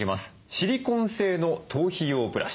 シリコン製の頭皮用ブラシ。